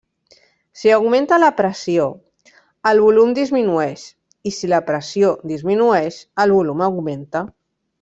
Si augmenta la pressió, el volum disminueix, i si la pressió disminueix, el volum augmenta.